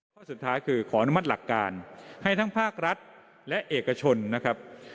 ข้อสุดท้ายคือขออนุมัติหลักการให้ทั้งภาครัฐและเอกชนนะครับ